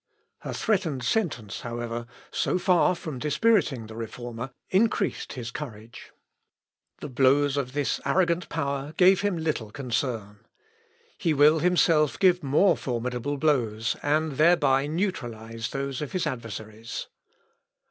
Her threatened sentence, however, so far from dispiriting the Reformer increased his courage. The blows of this arrogant power gave him little concern. He will himself give more formidable blows, and thereby neutralize those of his adversaries.